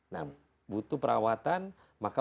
nah butuh perawatan maka